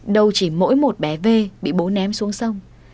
đâu chỉ mỗi một bé vê bị bố ném xuống sông